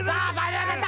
tidak ada yang ada